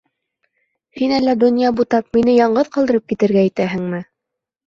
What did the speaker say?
Һин әллә донъя бутап, мине яңғыҙ ҡалдырып китергә итәһеңме?